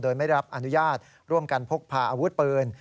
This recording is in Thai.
โดยไม่รับอนุญาตร่วมกันพกพาอาวุธปืน